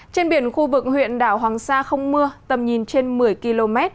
trên biển khu vực huyện đảo hoàng sa không mưa tầm nhìn trên một mươi km